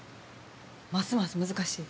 ますます難しい。